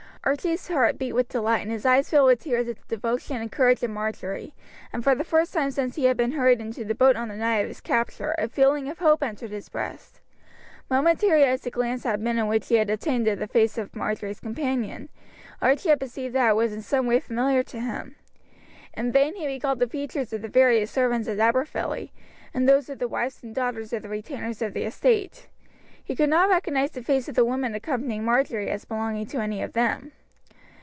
Archie's heart beat with delight and his eyes filled with tears at the devotion and courage of Marjory, and for the first time since he had been hurried into the boat on the night of his capture a feeling of hope entered his breast. Momentary as the glance had been which he had obtained of the face of Marjory's companion, Archie had perceived that it was in some way familiar to him. In vain he recalled the features of the various servants at Aberfilly, and those of the wives and daughters of the retainers of the estate; he could not recognize the face of the woman accompanying Marjory as belonging to any of them.